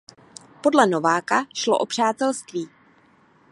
Podle Nováka šlo o přátelství.